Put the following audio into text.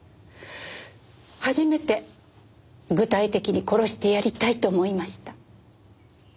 初めて具体的に殺してやりたいと思いました。